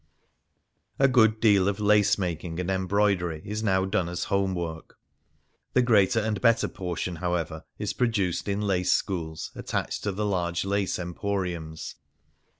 A good deal of lace making and embroidery is now done as home work ; the greater and better portion, however, is produced in lace schools attached to the large lace emporiums.